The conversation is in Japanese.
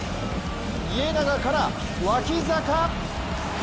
家長から脇坂。